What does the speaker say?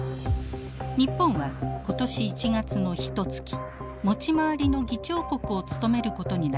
日本は今年１月のひとつき持ち回りの議長国を務めることになりました。